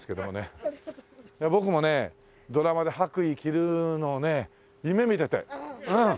僕もねドラマで白衣着るのをね夢見ててうん。